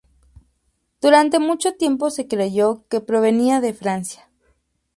Durante mucho tiempo se creyó que provenía de Francia.